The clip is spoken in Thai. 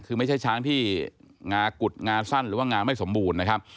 คือไม่ใช่ช้างที่งากุดงาสั้นหรือว่างาไม่สมบูรณ์นะครับ